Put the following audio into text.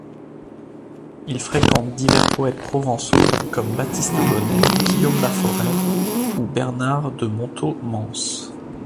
Il fréquente divers poètes provençaux, comme Baptiste Bonnet, Guillaume Laforêt ou Bernard de Montaut-Manse.